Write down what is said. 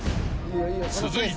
［続いて］